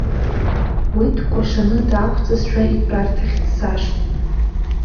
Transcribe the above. Уи дкәашаны даақәҵызшәа, итәарҭахь дцашт.